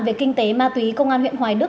về kinh tế ma túy công an huyện hoài đức